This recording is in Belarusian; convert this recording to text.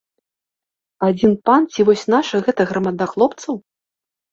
Адзін пан ці вось наша гэта грамада хлопцаў?!